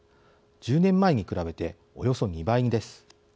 １０年前に比べておよそ２倍です。